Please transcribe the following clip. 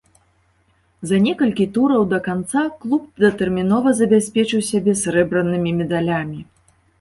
За некалькі тураў да канца клуб датэрмінова забяспечыў сябе срэбранымі медалямі.